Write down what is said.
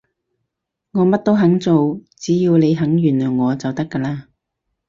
我乜都肯做，只要你肯原諒我就得㗎喇